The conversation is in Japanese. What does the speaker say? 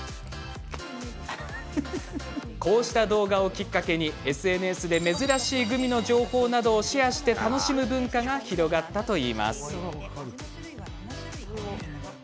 こうした動画をきっかけにＳＮＳで珍しいグミの情報などをシェアして楽しむ文化が広がったといいます。